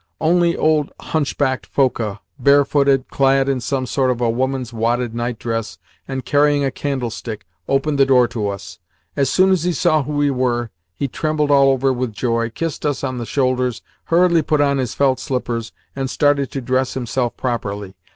Only old hunchbacked Foka bare footed, clad in some sort of a woman's wadded nightdress, and carrying a candlestick opened the door to us. As soon as he saw who we were, he trembled all over with joy, kissed us on the shoulders, hurriedly put on his felt slippers, and started to dress himself properly.